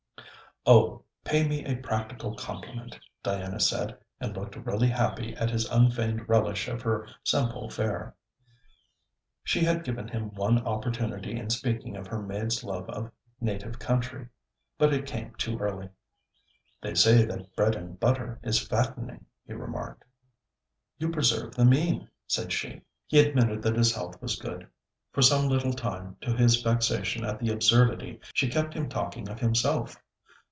'Oh! pay me a practical compliment,' Diana said, and looked really happy at his unfeigned relish of her simple fare. She had given him one opportunity in speaking of her maid's love of native country. But it came too early. 'They say that bread and butter is fattening,' he remarked. 'You preserve the mean,' said she. He admitted that his health was good. For some little time, to his vexation at the absurdity, she kept him talking of himself.